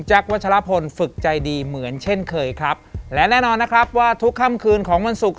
วัชลพลฝึกใจดีเหมือนเช่นเคยครับและแน่นอนนะครับว่าทุกค่ำคืนของวันศุกร์